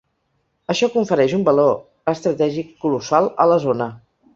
Això confereix un valor estratègic colossal a la zona.